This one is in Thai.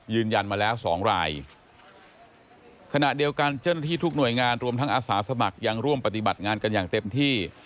ยืนยันมาแล้วสองรายขณะเดียวกันเจ้าหน้าที่ทุกหน่วยงานรวมทั้งอาสาสมัครยังร่วมปฏิบัติงานกันอย่างเต็มที่